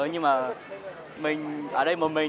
nhưng mà mình ở đây một mình